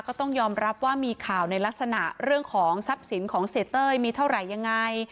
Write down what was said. ก็ต้องยอมรับว่ามีข่าวในลักษณะเรื่องของทรัพย์สินของเสียเต้ยมีเท่าไหร่ยังไง